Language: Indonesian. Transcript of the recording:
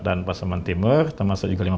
dan pasaman timur termasuk juga